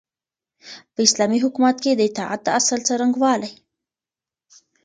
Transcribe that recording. په اسلامي حکومت کي د اطاعت د اصل څرنګوالی